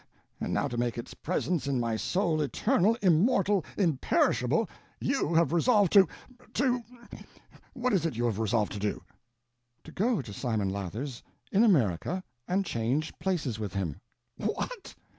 _ And now, to make its presence in my soul eternal, immortal, imperishable, you have resolved to—to—what is it you have resolved to do?" "To go to Simon Lathers, in America, and change places with him." "What?